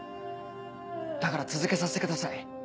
だから続けさせてください。